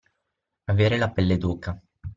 Avere la pelle d'oca.